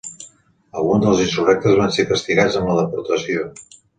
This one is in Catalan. Alguns dels insurrectes van ser castigats amb la deportació.